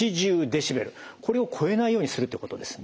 これを超えないようにするってことですね。